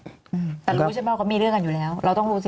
แต่รู้ใช่เปล่าก็มีเรื่องกันอยู่แล้วเราต้องรู้สิ